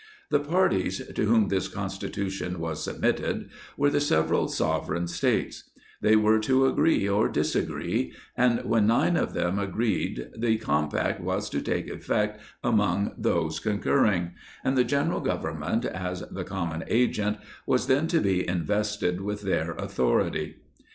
The parties to whom this Constitution was submitted, were the several sovereign States ; they were to agree or disagree, and when nine of them agreed, the compact was to take effect among those concurring; and the General Government, as the common agent, was then to be invest ed with their authority.